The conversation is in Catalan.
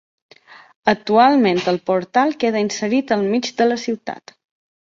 Actualment el portal queda inserit al mig de la ciutat.